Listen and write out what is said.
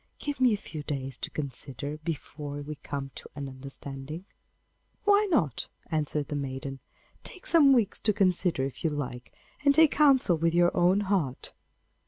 Give me a few days to consider before we come to an understanding.' 'Why not?' answered the maiden. 'Take some weeks to consider if you like, and take counsel with your own heart.